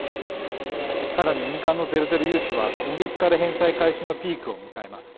さらに、民間のゼロゼロ融資は今月から返済開始のピークを迎えます。